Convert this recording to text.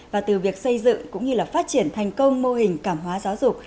và từ việc xây dựng cũng như là phát triển thành công mô hình cảm hóa giáo dục